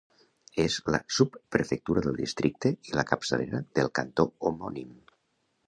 És la subprefectura del districte i la capçalera del cantó homònim.